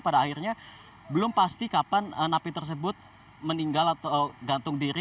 pada akhirnya belum pasti kapan napi tersebut meninggal atau gantung diri